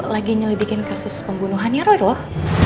lagi nyelidikin kasus pembunuhannya roy roh